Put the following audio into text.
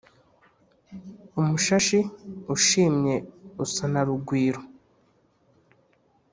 umushashi ushimye usa na rugwiro.